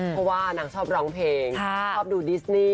เพราะว่านางชอบร้องเพลงชอบดูดิสนี่